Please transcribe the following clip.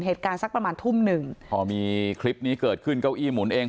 สักประมาณทุ่มหนึ่งพอมีคลิปนี้เกิดขึ้นเก้าอี้หมุนเอง